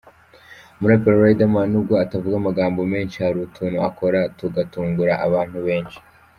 Umuraperi Riderman n’ubwo atavuga amagambo menshi, hari utuntu akora tugatungura abantu benshi .